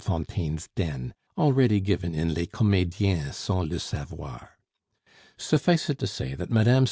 Fontaine's den, already given in Les Comediens sans le savoir; suffice it to say that Mme.